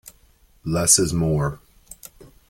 Less is more.